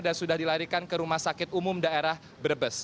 dan sudah dilarikan ke rumah sakit umum daerah brebes